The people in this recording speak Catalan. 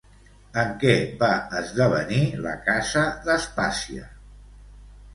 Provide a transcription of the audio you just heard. En què va esdevenir la casa d'Aspàsia?